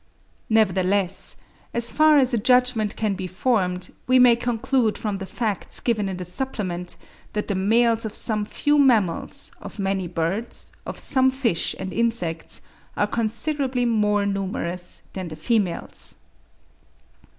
Nevertheless, as far as a judgment can be formed, we may conclude from the facts given in the supplement, that the males of some few mammals, of many birds, of some fish and insects, are considerably more numerous than the females.